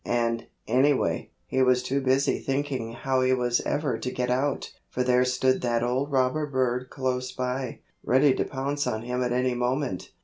And, anyway, he was too busy thinking how he was ever to get out, for there stood that old robber bird close by, ready to pounce on him at any moment.